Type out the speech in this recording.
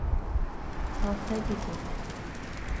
hasẽpiko